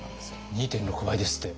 ２．６倍ですって。